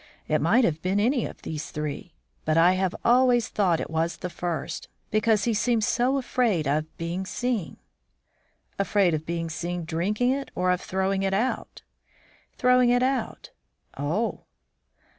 It might have been any of these three, but I have always thought it was the first, because he seemed so afraid of being seen." "Afraid of being seen drinking it or of throwing it out?" "Throwing it out." "Oh!"